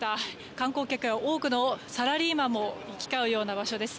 観光客や多くのサラリーマンも行き交うような場所です。